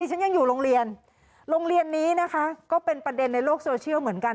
ฉันยังอยู่โรงเรียนโรงเรียนนี้นะคะก็เป็นประเด็นในโลกโซเชียลเหมือนกัน